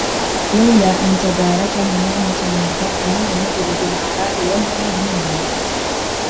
لَوْلا أَن تَدَارَكَهُ نِعْمَةٌ مِّن رَّبِّهِ لَنُبِذَ بِالْعَرَاء وَهُوَ مَذْمُومٌ